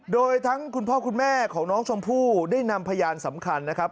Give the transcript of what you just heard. โดยทั้งคุณพ่อคุณแม่ของน้องชมพู่ได้นำพยานสำคัญนะครับ